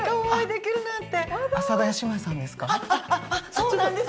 そうなんです。